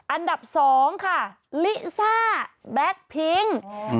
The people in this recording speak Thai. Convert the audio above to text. อันดับ๒ค่ะลิซ่าแบ็คพิ้ง